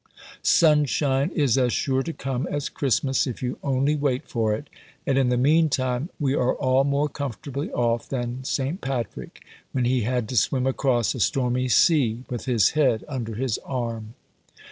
Sunshine is as sure to come as Christmas, if you only wait for it, and in the meantime we are all more comfortably off than St. Patrick, when he had to swim across a stormy sea, with his head under his arm."